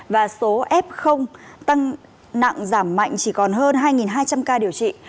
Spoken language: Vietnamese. và số f tăng nặng giảm mạnh chỉ còn hơn hai hai trăm linh ca điều trị